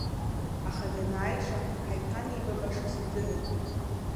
Аха данааиша, ҳаиҭанеибабаша сыздырам.